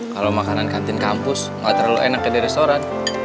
kalau makanan kantin kampus gak terlalu enak kayak di restoran